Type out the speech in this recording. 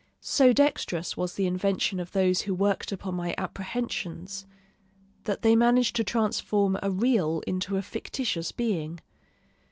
So dexterous was the invention of those who worked upon my apprehensions, that they managed to transform a real into a fictitious being.